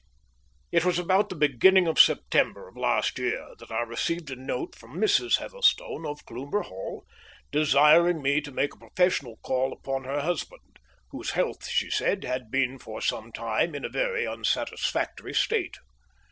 It was about the beginning of September of last year that I received a note from Mrs. Heatherstone, of Cloomber Hall, desiring me to make a professional call upon her husband, whose health, she said, had been for some time in a very unsatisfactory state.